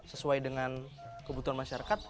sesuai dengan kebutuhan masyarakat